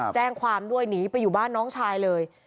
แจ้งความด้วยหนีไปอยู่บ้านน้องชายเลย